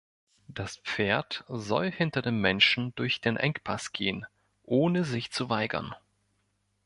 Das Pferd soll hinter dem Menschen durch den Engpass gehen, ohne sich zu weigern.